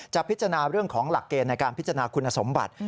พิจารณาเรื่องของหลักเกณฑ์ในการพิจารณาคุณสมบัติ